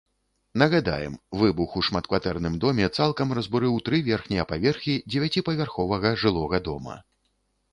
Нагадаем, выбух у шматкватэрным доме цалкам разбурыў тры верхнія паверхі дзевяціпавярховага жылога дома.